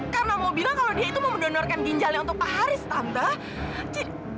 karena mau bilang kalau dia itu mau mendonorkan ginjalnya untuk pak haris tante